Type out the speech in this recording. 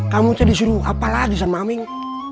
kamu sedih seru apa lagi san maming